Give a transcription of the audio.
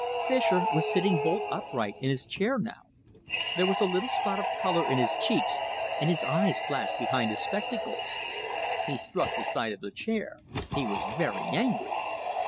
Fischer was sitting bolt upright in his chair now. There was a little spot of colour in his cheeks and his eyes flashed behind his spectacles. He struck the side of the chair. He was very angry.